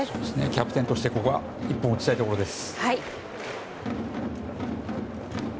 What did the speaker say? キャプテンとしてここは一本打ちたいところです。